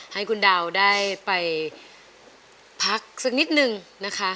ให้คุณดาวได้ไปพักสักนิดนึงนะคะ